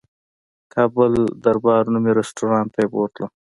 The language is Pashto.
کابل دربار نومي رستورانت ته یې بوتلم.